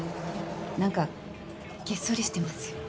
何かげっそりしてますよ。